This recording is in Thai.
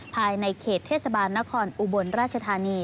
ภายในเขตเทศบาลนครอุบลราชธานี